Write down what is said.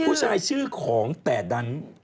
ผู้ชายชื่อของแต่ดัน